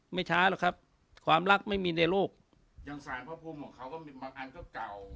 ไม่ช้าหรอกครับความรักไม่มีในโลกอย่างสารพระภูมิของเขาก็มีบางอันก็เก่า